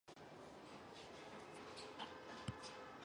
邦维拉尔的总面积为平方公里。